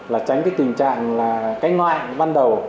là tránh cái tình trạng là cái ngoại ban đầu